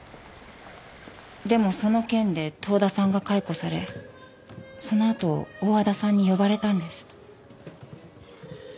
でもその件で遠田さんが解雇されそのあと大和田さんに呼ばれたんです。